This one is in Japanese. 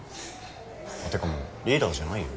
ってかもうリーダーじゃないよ。